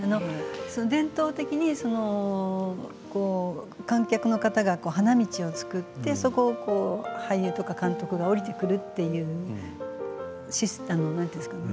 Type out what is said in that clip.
伝統的に観客の方が花道を作ってそこを俳優とか監督が下りてくるというなんて言うんですかね